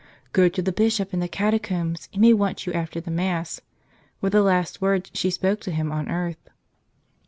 "Go to the Bishop in the catacombs ; he may want you after the Mass," were the last words she spoke to him on earth.